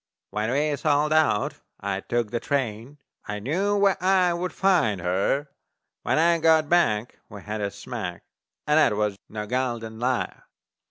When we sold out I took the train, I knew where I would find her; When I got back we had a smack And that was no gol darned liar.